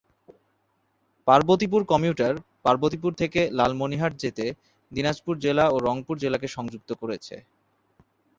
Parbatipur commuter Parbatipur থেকে লালমনিরহাট যেতে দিনাজপুর জেলা ও রংপুর জেলাকে সংযুক্ত করেছে।